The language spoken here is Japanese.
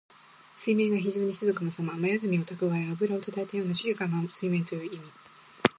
水面が非情に静かなさま。まゆずみをたくわえ、あぶらをたたえたような静かな水面という意味。